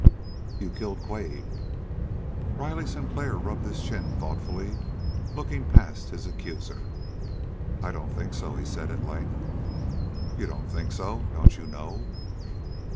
"You killed Quade!" Riley Sinclair rubbed his chin thoughtfully, looking past his accuser. "I don't think so," he said at length. "You don't think so? Don't you know?"